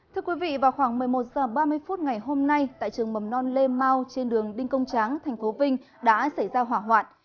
thưa quý vị vào khoảng một mươi một h ba mươi phút ngày hôm nay tại trường mầm non lê mau trên đường đinh công tráng thành phố vinh đã xảy ra hỏa hoạn